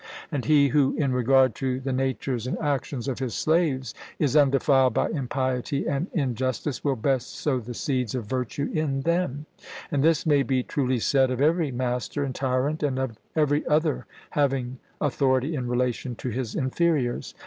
And he who in regard to the natures and actions of his slaves is undefiled by impiety and injustice, will best sow the seeds of virtue in them; and this may be truly said of every master, and tyrant, and of every other having authority in relation to his inferiors.